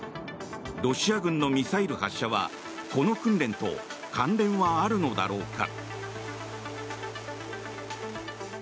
ロシア軍のミサイル発射はこの訓練と関連はあるのだろうか。